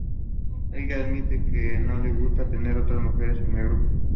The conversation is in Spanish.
Ella admite que no le gusta tener "otras mujeres en el grupo".